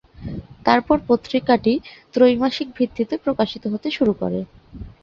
তারপর পত্রিকাটি ত্রৈমাসিক ভিত্তিতে প্রকাশিত হতে শুরু করে।